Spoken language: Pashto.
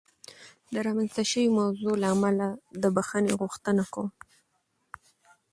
د رامنځته شوې موضوع له امله د بخښنې غوښتنه کوم.